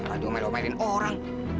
aduh main mainin orang